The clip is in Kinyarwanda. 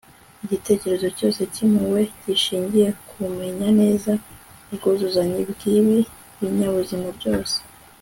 igitekerezo cyose cy'impuhwe gishingiye ku kumenya neza ubwuzuzanye bw'ibi binyabuzima byose